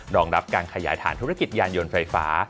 รองรับการขยายฐานธุรกิจยานยนต์ไฟฟ้า